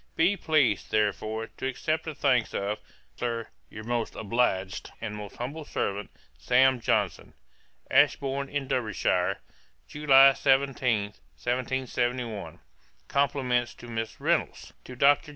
'Be pleased, therefore, to accept the thanks of, Sir, your most obliged 'And most humble servant, 'SAM. JOHNSON.' 'Ashbourn in Derbyshire, July 17, 1771. 'Compliments to Miss Reynolds,' 'To DR.